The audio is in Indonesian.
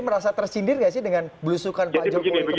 merasa tersindir gak sih dengan belusukan pak jokowi kemarin